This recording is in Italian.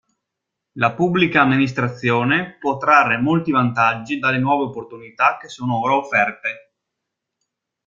La Pubblica Amministrazione può trarre molti vantaggi dalle nuove opportunità che sono ora offerte.